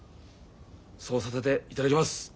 そうさせていただきます。